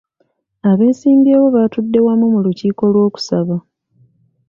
Abeesimbyewo baatudde wamu mu lukiiko lw'okusaba.